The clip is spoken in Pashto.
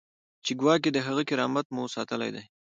چې ګواکې د هغه کرامت مو ساتلی دی.